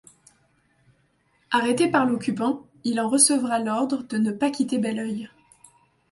Arrêté par l'occupant, il en recevra l'ordre de ne pas quitter Belœil.